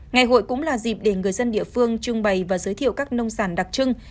ngày hội cũng là dịp để người dân địa phương trưng bày và giới thiệu các nông sản đặc trưng